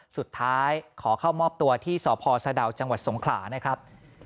สุดท้ายขอเข้ามอบตัวที่สพสะดาวจังหวัดสงขลานะครับ